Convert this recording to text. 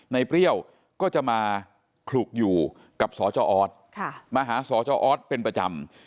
เปรี้ยวก็จะมาขลุกอยู่กับสจออสมาหาสจออสเป็นประจำ